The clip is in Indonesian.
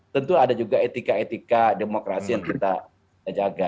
tentu ada juga etika etika demokrasi yang kita jaga